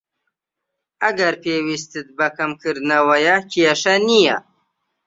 ئەگەر پێویستت بە کەمکردنەوەیە، کێشە نیە.